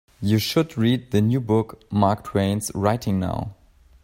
You should read the new book Mark Twain's writing now.